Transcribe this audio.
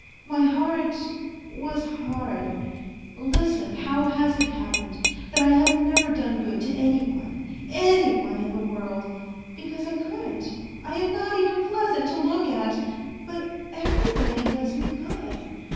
My heart ... was hard. ... Listen how has it happened, that I have never done good to any one, any one in the world, because I couldn't I am not even pleasant to look at. ... But everybody does me good